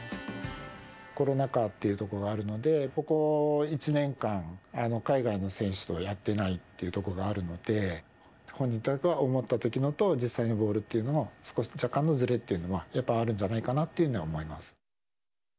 コロナ禍っていうところがあるので、ここ１年間、海外の選手とやってないっていうところがあるので、本人が思ったときのと実際のボールっていうのが、少し若干のずれっていうのは、やっぱりあるんじゃないかなというふうには思います。